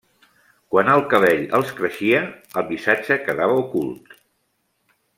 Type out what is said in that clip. Quan el cabell els creixia, el missatge quedava ocult.